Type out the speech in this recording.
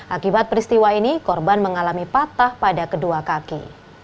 akibat peristiwa ini korban mengalami patah pada kedua kaki